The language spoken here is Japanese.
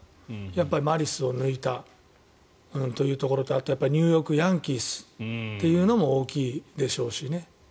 やっぱりマリスを抜いたというところとあとニューヨーク・ヤンキースというのも大きいでしょうし。